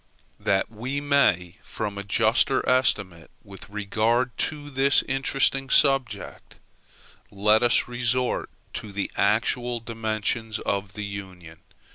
That we may form a juster estimate with regard to this interesting subject, let us resort to the actual dimensions of the Union.